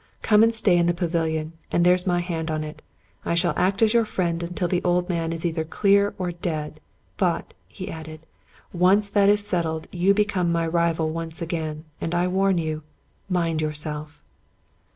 Come and stay in the pavilion ; and, there's my hand on it, I shall act as your friend until the old man is either clear or dead. But," he added, " once that is set tled, you become my rival once again, and I warn you — mind yourself."